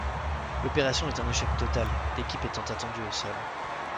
L'opération est un échec total, l'équipe étant attendue au sol.